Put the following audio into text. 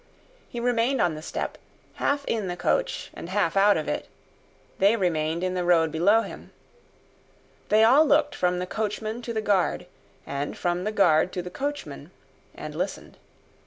He remained on the step, half in the coach and half out of; they remained in the road below him. They all looked from the coachman to the guard, and from the guard to the coachman, and listened.